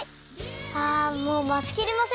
あもうまちきれません。